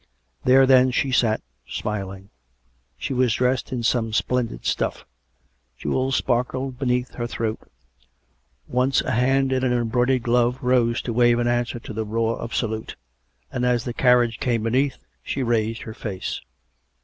There, then, she sat, smiling. She was dressed in some splendid stuff; jewels sparkled beneath her throat. Once a hand in an embroidered glove rose to wave an answer to the roar of salute; and, as the carriage came beneath, she raised her face.